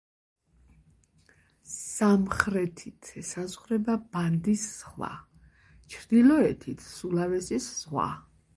სამხრეთით ესაზღვრება ბანდის ზღვა, ჩრდილოეთით სულავესის ზღვა.